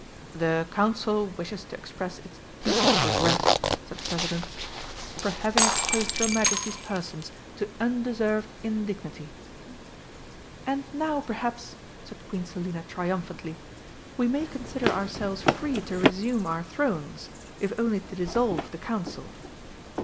"The Council wishes to express its deepest regret," said the President, "for having exposed your Majesties' persons to undeserved indignity." "And now, perhaps," said Queen Selina triumphantly, "we may consider ourselves free to resume our thrones, if only to dissolve the Council?"